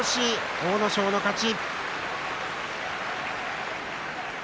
阿武咲の勝ち。